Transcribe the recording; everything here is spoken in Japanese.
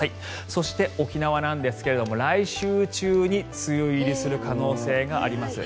そして、沖縄なんですが来週中に梅雨入りする可能性があります。